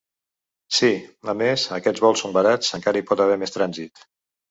Si, a més, aquests vols són barats encara hi pot haver més trànsit.